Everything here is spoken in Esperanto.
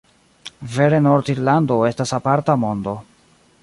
Vere Nord-Irlando estas aparta mondo.